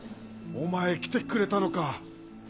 お前来てくれたのか！